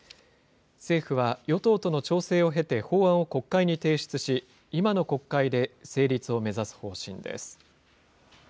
政府は、与党との調整を経て、法案を国会に提出し、今の国会で成立を目指す方針です。